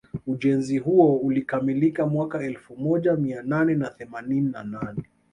Ujenzi huo ulikamilika mwaka elfu moja mia nane na themanini na nane